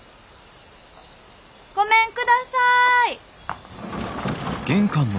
ごめんください！